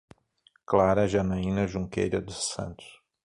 Clara Janayna Junqueira dos Santos